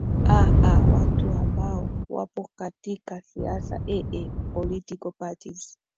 aa watu ambao wapo katika siasa ee political parties